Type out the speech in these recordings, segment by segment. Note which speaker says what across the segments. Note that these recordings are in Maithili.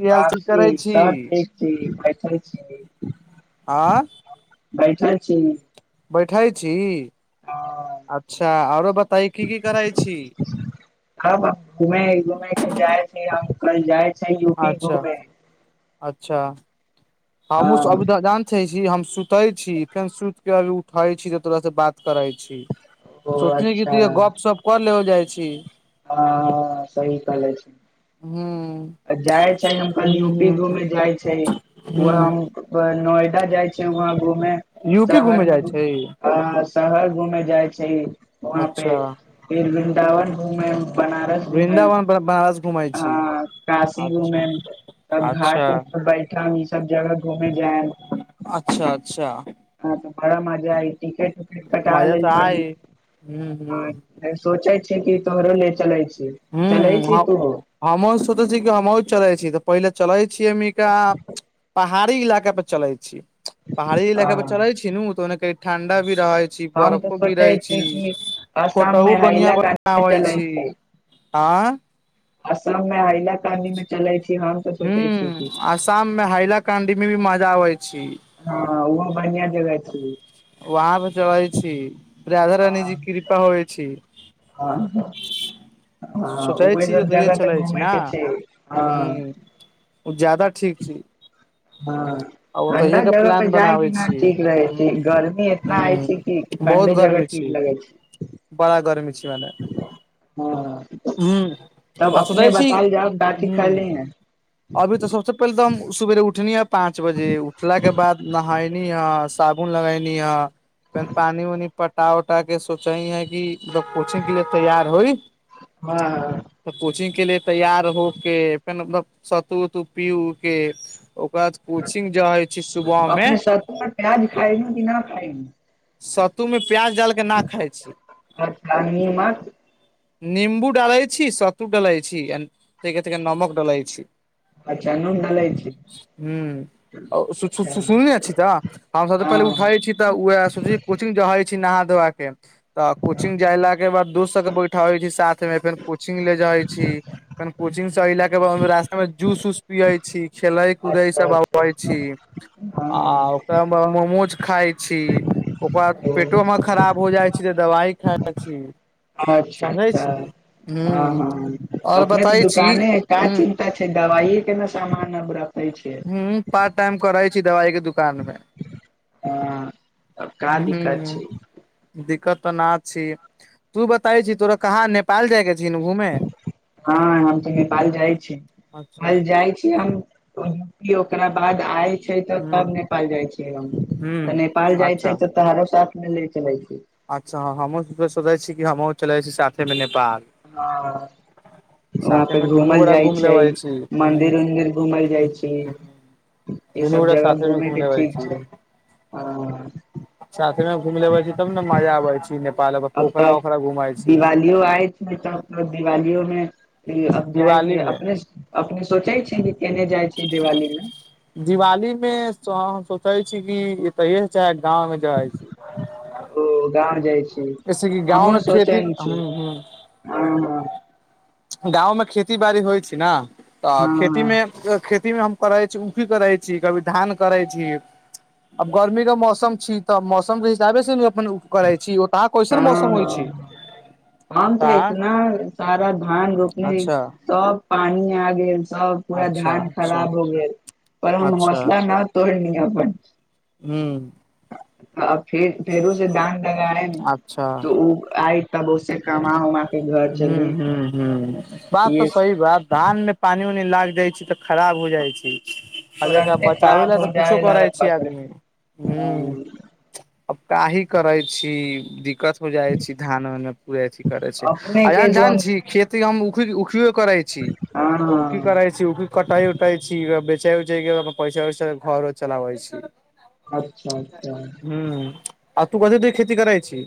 Speaker 1: की हाल ची
Speaker 2: बी
Speaker 1: करै छी
Speaker 2: सभ पथ छी
Speaker 1: आ
Speaker 2: [unintelligible] बैठै छी
Speaker 1: बैठै छी
Speaker 2: हँ
Speaker 1: अच्छा औरो बताइ की की करै छी
Speaker 2: हम घूमे घूमे के जाय छै अंकल जाय छै यू पी
Speaker 1: अच्छा
Speaker 2: घूमे
Speaker 1: अच्छा हमहू
Speaker 2: हँ
Speaker 1: सब जानैछी जी हम सुतै छी फेन सुत के अभी उठै छी त तोर से बात करै छी
Speaker 2: ओ
Speaker 1: सोचनी कि
Speaker 2: अच्छा
Speaker 1: तीय गप सप कर लेबल जाइ छी
Speaker 2: हँ सही कहले छी
Speaker 1: हू
Speaker 2: जाइ छै हम कल यू पी घूमे जाइ छै वहा हम
Speaker 1: हूँ
Speaker 2: नोएडा जाइ छै छै वहाँ घूमे
Speaker 1: यू पी घूमे
Speaker 2: शहर
Speaker 1: जाइ छै
Speaker 2: मेआ हँ शहर घुमे जाय छै वहां
Speaker 1: अच्छा
Speaker 2: पे फिर वृन्दावन घुमे बनारस घुमे
Speaker 1: वृन्दावन बनारस घुमै छी
Speaker 2: हाँ काशी
Speaker 1: अच्छा
Speaker 2: घुमे तब
Speaker 1: अच्छा
Speaker 2: घाट उट पर बैठ ई सब जगह घूमे जायब
Speaker 1: अच्छा अच्छा
Speaker 2: हँ तऽ बड़ा मजा आइ तिकेट उकेट कटालेल बानी
Speaker 1: हू हू
Speaker 2: तै छै की तोहरो ले चलै छै
Speaker 1: ह्म हम हमहु सोचै छी की हमहु चलै छी तऽ पहिले चलै छियैमी कहाँ पहाड़ी इलाका पर चलै छी पहाड़ी
Speaker 2: हँ
Speaker 1: इलाका पर चलै छी नु तऽ ओना कही ठंडा भी रहै छी
Speaker 2: हम तऽ
Speaker 1: बर्फो गिरै
Speaker 2: सोचै
Speaker 1: छी
Speaker 2: कि असम मे
Speaker 1: फोटहु बनि्हआ
Speaker 2: हैलाकानी
Speaker 1: बनाबै छी आँ
Speaker 2: असल मे अइना कानी मे चलै छी हम तऽ सोचै छीयै
Speaker 1: हूँ
Speaker 2: कि
Speaker 1: आसाम मे हाइलाकांडी मे भी मजा आबै छी
Speaker 2: हँ ओहो बनिया जगह छि
Speaker 1: वहाँ पे चलै छी राधा रानी जी
Speaker 2: हँ
Speaker 1: कृपा होइ छि
Speaker 2: हँ हँ
Speaker 1: सोचै
Speaker 2: उहे
Speaker 1: छी ओ
Speaker 2: सब
Speaker 1: तऽहि
Speaker 2: जगह तऽ
Speaker 1: चलै छी
Speaker 2: घूमे
Speaker 1: ना
Speaker 2: के छै हँ
Speaker 1: ह्म ओ ज्यादा ठीक छै
Speaker 2: हँ
Speaker 1: आ
Speaker 2: ठण्डा
Speaker 1: ओतहिएके
Speaker 2: जगह पे
Speaker 1: प्लान
Speaker 2: जाय कि
Speaker 1: बनाबै
Speaker 2: न
Speaker 1: छी
Speaker 2: ठीक रहे छै
Speaker 1: ह्म
Speaker 2: गर्मी इतना होइ छै कि
Speaker 1: ह्म बहुत
Speaker 2: ठण्डे जगह
Speaker 1: गर्मी
Speaker 2: ठीक
Speaker 1: छी
Speaker 2: लगै छै
Speaker 1: बड़ा गर्मी छी मने
Speaker 2: हाँ
Speaker 1: हू
Speaker 2: तब
Speaker 1: आ
Speaker 2: अपने
Speaker 1: सोचैत छी
Speaker 2: बतायल जाउ काथी
Speaker 1: हू
Speaker 2: खैली है
Speaker 1: अभी तऽ सबसँ पहिले त हम सुवेरे उठनि ह पाँंच बजे उठला के बाद नहायनी ह साबुन लगेनी ह पेर पानि उनि पटा उटा के सोचही हैं की मतलब कोचिंग के लिए तैयार होइ त कोचिंग के लि तैयार हो के फेर मतलब सतू उतू पी उ के ओकर बाद कोचिंग जे हय छी सुबह
Speaker 2: अपने
Speaker 1: में
Speaker 2: सतू मे प्याज खायनी कि न खायनी
Speaker 1: सत्तू मे प्याज डाल कऽ ना खाइ छी
Speaker 2: अच्छा नीमक
Speaker 1: निम्बू डालै छी सतू डालइ छी अ नमक डालय छी
Speaker 2: अच्छा नून डालै छी
Speaker 1: सु सु सु सु सुनने छी तऽ हमसभ त पहिले
Speaker 2: हँ
Speaker 1: उठै छी तऽ सूजि कोचिंग जाइ छी नहा धोआ के तऽ कोचिंग जयला के बाद दोस्त सब के बैठाबे छी साथ मे फेर कोचिंग ले जाय छी फेन कोचिंग से एयला के बाद रास्ता में जूस उस पियइ छी खेले कुदै
Speaker 2: अच्छा
Speaker 1: सब अबबै
Speaker 2: अच्छा
Speaker 1: छी आ
Speaker 2: हँ
Speaker 1: ओकरा बाद मोमोज खाइ छी ओकर बाद पेटो मे खराब हो जाइ छै तऽ दबाइ खाइ छी
Speaker 2: अच्छा
Speaker 1: समझै
Speaker 2: अच्छा
Speaker 1: छी हूं
Speaker 2: हँ हँ
Speaker 1: और
Speaker 2: अपने तऽ
Speaker 1: बताय छी
Speaker 2: दुकाने अइ का
Speaker 1: ह
Speaker 2: चिन्ता छै दवाइ के ना सामान अब रखै छै
Speaker 1: ह पार्ट टाइम करै छी दवाइ के दुकान मे
Speaker 2: हँ तब का दिक्कत
Speaker 1: ह
Speaker 2: छै
Speaker 1: दिक्कत त न छी तू बताई छी तोरा कहाँ नेपाल जाय क
Speaker 2: हँ हम तऽ नेपाल जाइ छी
Speaker 1: अच्छा
Speaker 2: कल जाइ छी हम कहलूं की ओकरा बाद आय छै तऽ
Speaker 1: ह
Speaker 2: तब नेपाल जाइ छी हम
Speaker 1: ह
Speaker 2: तऽ नेपाल जाइ छै
Speaker 1: अच्छा
Speaker 2: तऽ तोरो साथ मे ले चलै छि
Speaker 1: अच्छा ह हमहुँ सोचै छी कि हमहुँ चले छी साथे मे नेपाल
Speaker 2: हँ वहाँ
Speaker 1: साथे
Speaker 2: पे
Speaker 1: मे दुनू
Speaker 2: घूमल
Speaker 1: गोरा
Speaker 2: जाइ
Speaker 1: घूम
Speaker 2: छै
Speaker 1: लेबै छी ह
Speaker 2: मन्दिर उन्दिर घूमल जाइ छै ई
Speaker 1: दुनू
Speaker 2: सब
Speaker 1: गोरा
Speaker 2: जगह
Speaker 1: साथे मे
Speaker 2: घुमेै
Speaker 1: घूम
Speaker 2: के ठीक छै ह
Speaker 1: साथ मे घूमि लेबै छी तब ने मजा आबै छै नेपाल
Speaker 2: अ
Speaker 1: पोखरा
Speaker 2: तऽ
Speaker 1: ओखरा घुमै छी
Speaker 2: दिवालियो आय छै दिवालियो मे ई अब जाइके
Speaker 1: दिवाली मे
Speaker 2: अपने अपने सोचै छी कि केने जाइ छी दिवाली मे
Speaker 1: दिवाली मे सोचै छी कि एत च गाँमे जाइ छी
Speaker 2: ओ गांव जाइ छी
Speaker 1: जैसे कि गाँव
Speaker 2: हमहू
Speaker 1: मे खेती
Speaker 2: सोचै छी
Speaker 1: ह
Speaker 2: आ हँ
Speaker 1: गाँवमे खेती बाड़ी होइ छै ने तऽ
Speaker 2: हँ हँ
Speaker 1: खेतीमे खेती मे हम करै छी की करै छी कभी धान करै छी अब गर्मी का मौसम छी त मौसम के हिसाबे से ने म उकरइ छि ओ त कैसन
Speaker 2: हँ
Speaker 1: मौसम होइ छि
Speaker 2: हँ हम तऽ इतना सारा धान रोपने
Speaker 1: अच्छा
Speaker 2: सब पानि आगे छै सब पूरा
Speaker 1: अच्छा
Speaker 2: धान
Speaker 1: अच्छा
Speaker 2: खराब हो गेल पर हम
Speaker 1: अच्छा
Speaker 2: हौसला न तोड़नी अपन
Speaker 1: हू
Speaker 2: अ फेर फेरोे धान लगाएम
Speaker 1: अच्छा
Speaker 2: त ओ आइ तब उ से कमा उमा के घर
Speaker 1: ह
Speaker 2: चली
Speaker 1: ह ह बात तऽ
Speaker 2: इहे
Speaker 1: सही
Speaker 2: सब
Speaker 1: बा धानमे पानि उनी लाग जाय छै तऽ खराब हो जाइ छै आ एकरा
Speaker 2: तुरन्ते
Speaker 1: बचाबै
Speaker 2: खराब
Speaker 1: लए
Speaker 2: हो
Speaker 1: तऽ कुछो
Speaker 2: जाय ला
Speaker 1: करै छै
Speaker 2: फसल
Speaker 1: आदमी ह
Speaker 2: हँ
Speaker 1: अबकाही करै छी दिक्कत हो जाइ छी धान उन मे पूरे अथी करे छै
Speaker 2: अपने
Speaker 1: अ
Speaker 2: के
Speaker 1: जान जानै
Speaker 2: जोन
Speaker 1: छी खेती हम उख उखि कर छी
Speaker 2: हँ
Speaker 1: त ओ की
Speaker 2: हँ
Speaker 1: करै छी ओ की कटाई उटाई छि चैल जइओ उ पैसा उैसा घरो चलाबै छी
Speaker 2: अच्छा अच्छा
Speaker 1: हूं आ तू कथी क खेती करय छी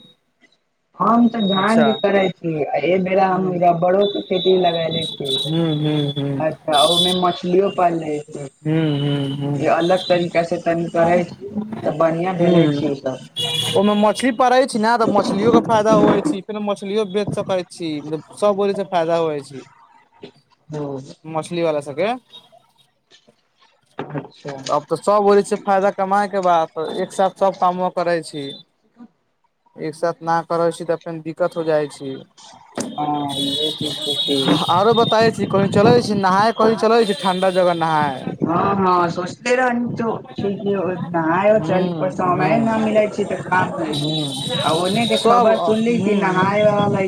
Speaker 2: हम त धान
Speaker 1: अच्छा
Speaker 2: क करै छी एहि बेरा हम
Speaker 1: हूं
Speaker 2: रबरो के खेती लगेले छी
Speaker 1: हूं हूं हूं
Speaker 2: अच्छा ओमे मछली ओ पाइन रहे छय
Speaker 1: हूं हूं
Speaker 2: जे अलग तरीका से कनी करै छी तऽ बाढ़िया भेले छियै त
Speaker 1: ओहिमें मछली पड़े छै ने तऽ मछलियो के फायदा होइ छै फेर मछलियो बेच सकैत छी की सब बौलै छी फायदा होइ छै
Speaker 2: हँ
Speaker 1: मछली वाला सब वै
Speaker 2: अच्छा
Speaker 1: अब तऽ सब बझे छै फायदा कमााय के बा तऽ एक साथ सब कामो करै छी एक सााथ न करै छी तऽ फेर दिक्कत हो जाइ छी
Speaker 2: हँ इहे
Speaker 1: आरो बताय छी कही चलै छी नहाय कही चलैइ छी ठंडा जगह नहाय
Speaker 2: हँ हँ सोचने रहनी तो से कियो नहाय चलतो
Speaker 1: हूं
Speaker 2: समय नइ
Speaker 1: हूं
Speaker 2: मिलय छै ई त काममे रहैय
Speaker 1: हूं
Speaker 2: छै आ ओने के
Speaker 1: सब
Speaker 2: खबर सुनली की
Speaker 1: हूं हूं
Speaker 2: नहाय वाला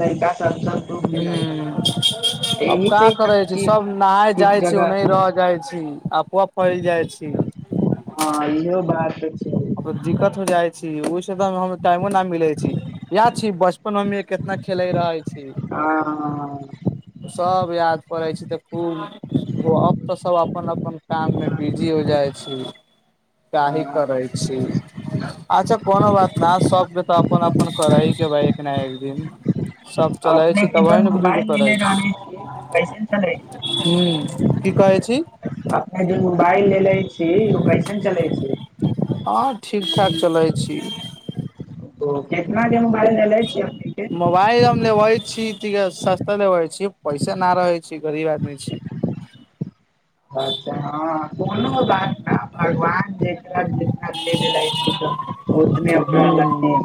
Speaker 2: लड़का [unintelligible]
Speaker 1: अब
Speaker 2: एहि
Speaker 1: का
Speaker 2: से हर
Speaker 1: करे छि
Speaker 2: चीज
Speaker 1: सब नहााय
Speaker 2: ठीक
Speaker 1: जाइ छी
Speaker 2: जगह
Speaker 1: ओनाह रह जाइ छी अफओ फैल जाइ छी
Speaker 2: हँ इहो बात छै
Speaker 1: दिक्कत हो जाइ छै ओ इघर मे टाइमो न मिलै छै यएह छी बचपन मे हमे कितना खेले रहे छी [inaudible]
Speaker 2: हँ
Speaker 1: सब याद परै छै तऽ खुब अब त सब अपन अपन काम मे बिजी हो जाय छी काही
Speaker 2: हँ
Speaker 1: करै छी अच्छा कोनो बात ना सब सबके त अपन अपन करै ही के ब एक न एक दिन सब चलै
Speaker 2: अपने
Speaker 1: छी
Speaker 2: के
Speaker 1: तबी
Speaker 2: जन
Speaker 1: ने बुझु जे
Speaker 2: मोबाइल
Speaker 1: करै
Speaker 2: लेले
Speaker 1: छी
Speaker 2: रहले छियै तऽ ओ कैसन चलै
Speaker 1: हूँ की कहै छी
Speaker 2: अपन जे मोबाइल लेे लेले छी ओ कैसन चलै छै
Speaker 1: ह ठीक ठाक चलै छी
Speaker 2: ओ केितना दिन बारेमे
Speaker 1: मोबाइल हम लेबै छी सस्ता लेबै छी पैसा न रहै छी गरीब आदमी छी
Speaker 2: अच्छा हँ कोनो बात ना भगवान जे जित ल छै ओतने ओकरा ले
Speaker 1: हूँ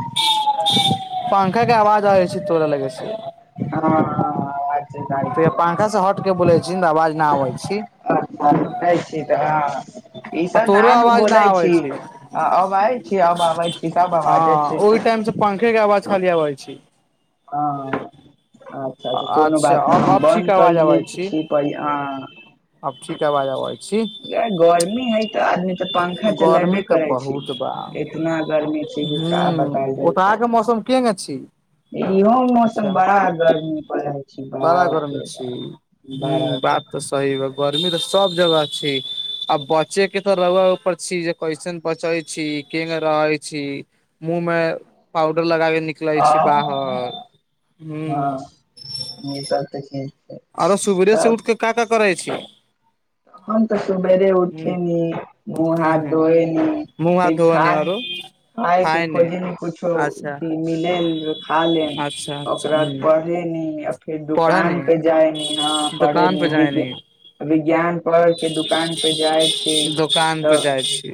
Speaker 1: पंखा के आवाज आबै छी तोरा लगैसे
Speaker 2: हअ
Speaker 1: त पंखा से हट के बोलै छी तऽ आवाज नहि आबै छी
Speaker 2: अच्छा सुनै छी तऽ हँ ई सब ना
Speaker 1: तोरो
Speaker 2: नू
Speaker 1: आवाज न
Speaker 2: बोलै
Speaker 1: आबै
Speaker 2: छी
Speaker 1: छै
Speaker 2: अब लाइल छी अब आबै छी तब बहा दई
Speaker 1: हँ
Speaker 2: छी
Speaker 1: ओहि टाइम से पंखे के आवाज
Speaker 2: की
Speaker 1: खाली अबइ छी
Speaker 2: ह ह आ अच्छा ता कोनो
Speaker 1: अच्छा
Speaker 2: बात
Speaker 1: अब
Speaker 2: नहि
Speaker 1: अब ठीक
Speaker 2: बन्द कर
Speaker 1: आवाज
Speaker 2: देलिए
Speaker 1: आबै
Speaker 2: कि छी त अभि हाँ
Speaker 1: अब ठीक अबाज आबेय
Speaker 2: या गर्मी है त आदमी त पंखा
Speaker 1: गर्मी
Speaker 2: चलाेबे
Speaker 1: तऽ
Speaker 2: करै छी
Speaker 1: बहुत बा
Speaker 2: इतना गर्मी छी जे का बतायल जाइ छै
Speaker 1: केना छी
Speaker 2: इहो मौसम बड़ा गर्मी परै छी बाप रो बाप बड़ा गर्मी
Speaker 1: आब तऽ सही गर्मी तऽ सब जगह छै आ बचेके तऽ रउआ पर छी जे कइसन पचै छी केन रहै छी मुंह मे पाउडर लगाबे निकलै छी
Speaker 2: हँ
Speaker 1: बाहर हु
Speaker 2: हँ ई सब तऽ ठीक छै
Speaker 1: आरो सुबेरे से उठ क का का करै छी
Speaker 2: तखन तऽ सुबेर
Speaker 1: ह
Speaker 2: उठेनि मु हाथ धोएनी
Speaker 1: मुह हाथ
Speaker 2: फिर
Speaker 1: घोनी आरो
Speaker 2: खाय के
Speaker 1: खायने
Speaker 2: खोजमे कुछो
Speaker 1: अच्छा
Speaker 2: मिल खा ले
Speaker 1: अच्छा अच्छा
Speaker 2: ओकरा बाद
Speaker 1: ह
Speaker 2: पढ़ेली फेर
Speaker 1: पढ़े ने
Speaker 2: दुकान पे जाय नी ह
Speaker 1: दोकान पे
Speaker 2: पढ़ेली
Speaker 1: जाय ने
Speaker 2: विज्ञान दुकान के दुकान पे जाइ छै
Speaker 1: दोकान
Speaker 2: तऽ
Speaker 1: पे जाइ छी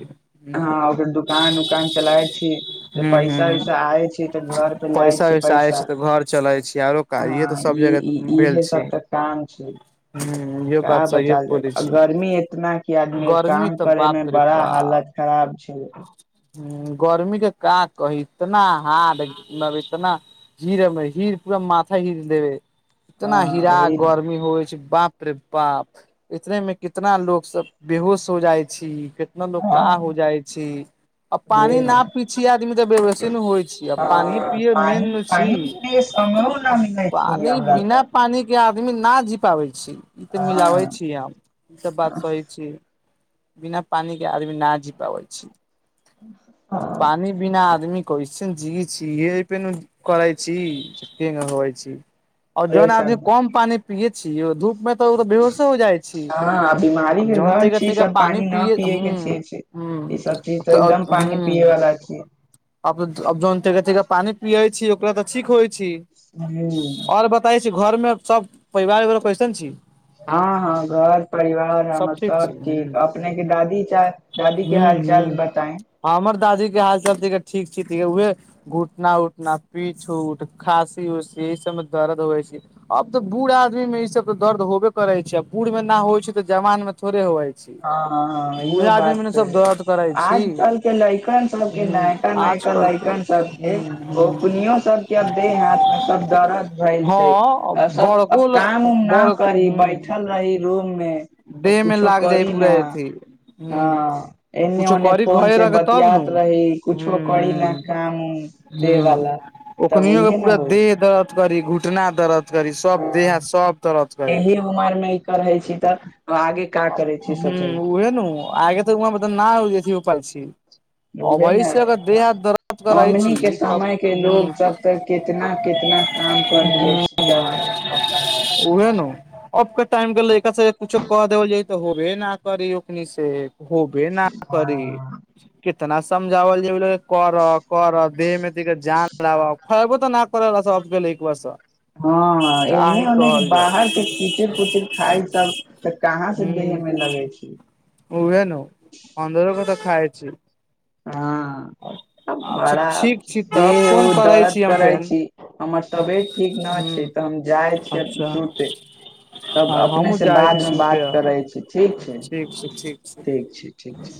Speaker 2: हॅं ओकर दुकान दोकान चलाइ छी तऽ
Speaker 1: ह
Speaker 2: पैसा
Speaker 1: ह
Speaker 2: उैसा आै छी तऽ घर पे लए
Speaker 1: पैसा
Speaker 2: छी
Speaker 1: वैसा आय
Speaker 2: पैसा
Speaker 1: छै तऽ घर चले आरो का ईहै त
Speaker 2: इ इहे सब तऽ काम छै
Speaker 1: इहो
Speaker 2: का
Speaker 1: बात
Speaker 2: पता
Speaker 1: सहिए बोलै छी
Speaker 2: गर्मी इतना की आदमी
Speaker 1: गर्मी
Speaker 2: काम
Speaker 1: तऽ
Speaker 2: करे मे
Speaker 1: बाप रे
Speaker 2: बड़ा हालत खराब छै
Speaker 1: गर्मीे काँ कही इतना हारड मतलब इतना हीर हीर पूरा माथा हीर देबै इतना
Speaker 2: हँ
Speaker 1: हीरा
Speaker 2: ओहि ने
Speaker 1: गर्मी होइ छै बाप रे बाप इतने मे कितना लोग सब बेहोश हो जाइ छी कितना लोग
Speaker 2: हँ
Speaker 1: का हो जाइ छै आ
Speaker 2: उहे
Speaker 1: पानि न
Speaker 2: ने
Speaker 1: पी छी आदमी तऽ बेव्सी ने होइ छै आ पानि पिये मेन छी
Speaker 2: कहनु ना मिलै छै
Speaker 1: पानी बिना पानी के आदमी ना जी पाबे छै ई तऽ मिलाबै
Speaker 2: हँ
Speaker 1: छीय हम ई त बात सहै छी बिना पानी आदमी ना जी पाबै छै
Speaker 2: उहे
Speaker 1: पानि बिना आदमी को जी छी रहे पर न करइ छी इहे हइ छी आ जन आदमी
Speaker 2: सब
Speaker 1: कम पानी पियए छी ओ धूप मे तऽऽ बेहोशो हो जाइ छै
Speaker 2: हँ आ बीमारी
Speaker 1: आब
Speaker 2: के
Speaker 1: जन
Speaker 2: घर
Speaker 1: रहते
Speaker 2: छी
Speaker 1: रहै
Speaker 2: सब
Speaker 1: पानी
Speaker 2: न
Speaker 1: पिय
Speaker 2: पिये
Speaker 1: हुं
Speaker 2: के छै छै।
Speaker 1: हूं
Speaker 2: ई सब चीज
Speaker 1: तऽ
Speaker 2: एकदम पानी
Speaker 1: हुं
Speaker 2: पिये वाला छी
Speaker 1: आब जान त रहते रहै पानी पियै छी ओकरा तऽ ठीक होइ छी
Speaker 2: हूँ
Speaker 1: आओर बताय छी घर में सब परिवार वरिवार कैसन छी
Speaker 2: हँ हँ घर परिवार हमर
Speaker 1: ठीक छी
Speaker 2: सब
Speaker 1: हूँ
Speaker 2: ठीक अपने के दादी चा दादी के
Speaker 1: हूँ
Speaker 2: हाल चाल
Speaker 1: हूँ
Speaker 2: बताए
Speaker 1: हमर दादी के हाल चाल सब ठीक छी उह घुटना उटना पीछ उठ खाँसी उसी ई सब मे दर्द होइ छै अब तऽ बूढ़ आदमी में ई सब त दर्द होबे करै छै बूढ़ मे न होइ छै तऽ जवान मे थोड़े होएत
Speaker 2: हँ इहो बात छै
Speaker 1: दर्द करै छी
Speaker 2: आजकल के लड़कन सब के
Speaker 1: ह
Speaker 2: नैका नैका
Speaker 1: आजकल के
Speaker 2: लड़कन सब ओ कुनियो सबके देह हाथ मे सब दरद भेल छै
Speaker 1: हँ
Speaker 2: आ सब अ
Speaker 1: बड़को
Speaker 2: काम उम न
Speaker 1: बड़
Speaker 2: करी बैठल रही रूम मे
Speaker 1: देहमे
Speaker 2: कुछो
Speaker 1: लाग
Speaker 2: करी
Speaker 1: पुरा
Speaker 2: ना
Speaker 1: अथि
Speaker 2: हँ एने
Speaker 1: कुछो
Speaker 2: ओने
Speaker 1: करी
Speaker 2: फोन
Speaker 1: घरे
Speaker 2: से
Speaker 1: र तब नू
Speaker 2: बतियात रही
Speaker 1: [unintelligible]
Speaker 2: कुछो करी न
Speaker 1: हूं
Speaker 2: काम उम देह
Speaker 1: हूं
Speaker 2: वाला
Speaker 1: ओखनो
Speaker 2: तब
Speaker 1: के
Speaker 2: इहे ने
Speaker 1: पूरा
Speaker 2: होइ
Speaker 1: देह दर्द करी घुटना दरद करी सब देह हाथ
Speaker 2: हँ
Speaker 1: सब दरद करी
Speaker 2: एहि उमर मे ई करै छी तऽ आगे का करै छी सोचै
Speaker 1: [unintelligible]
Speaker 2: ऊहे ने
Speaker 1: से अगर देह हाथ दर्द करै छी
Speaker 2: हमनी के
Speaker 1: तब
Speaker 2: समय के
Speaker 1: हूँ
Speaker 2: लोग सब तऽ कितना कितना काम कर दै जीते जवानी मे
Speaker 1: ओहे नू अब क टाइम गेलै एकर कुछो क देल जा तऽ होबे न कर ओखनि से होबे न करी
Speaker 2: हँ
Speaker 1: कितना समझावल जेल कर कर देहमेतिक जान लाब खयबो तऽ न कर अब के लड़कबा सब
Speaker 2: हँ एने
Speaker 1: काहे
Speaker 2: ओने के
Speaker 1: कहल
Speaker 2: बाहर
Speaker 1: जाय
Speaker 2: के कीचड़ कुचड़ खाइ सब तऽ कहाँ से देहे मे
Speaker 1: हूँ
Speaker 2: लगै छी
Speaker 1: उहे नु अन्धर के तऽ खाइ छी
Speaker 2: हँ
Speaker 1: आ
Speaker 2: बड़ा देह ओ
Speaker 1: करै
Speaker 2: दर्द
Speaker 1: छी हम
Speaker 2: करे
Speaker 1: फेन
Speaker 2: छी हमर तबेत ठीक न छै तऽ
Speaker 1: हूँ
Speaker 2: हम जाइ छियै
Speaker 1: अच्छा
Speaker 2: सुते तब
Speaker 1: आ
Speaker 2: अपने
Speaker 1: हमहूँ
Speaker 2: से
Speaker 1: जाइ छी
Speaker 2: बाद मे
Speaker 1: सुते
Speaker 2: बात
Speaker 1: आब
Speaker 2: करै छी ठीक छै ठीक छै ठीक छै ठीक